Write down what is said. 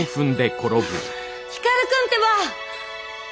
光くんってば！